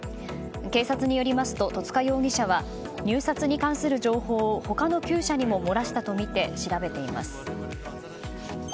警察によりますと戸塚容疑者は入札に関する情報を他の９社にも漏らしたとみて調べています。